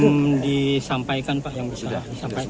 yang disampaikan pak yang bisa disampaikan